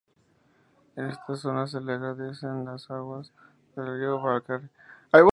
En esta zona se le agregan las aguas del río Valcarce.